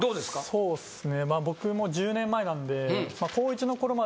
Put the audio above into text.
そうっすね。